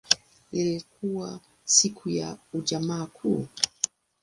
Ilikuwa siku ya Ijumaa Kuu.